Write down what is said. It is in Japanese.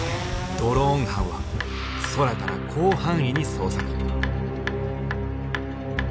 ドローン班は空から広範囲に捜索。